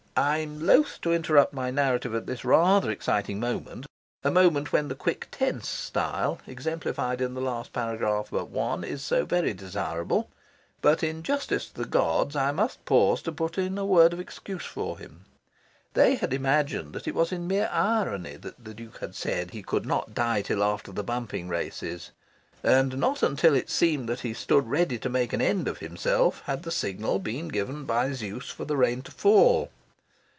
I am loth to interrupt my narrative at this rather exciting moment a moment when the quick, tense style, exemplified in the last paragraph but one, is so very desirable. But in justice to the gods I must pause to put in a word of excuse for them. They had imagined that it was in mere irony that the Duke had said he could not die till after the bumping races; and not until it seemed that he stood ready to make an end of himself had the signal been given by Zeus for the rain to fall.